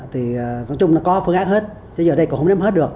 thì nói chung là có phương án hết chứ giờ đây cũng không đem hết được